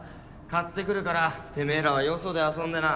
買ってくるからてめぇらはよそで遊んでな。